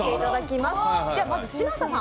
まず嶋佐さん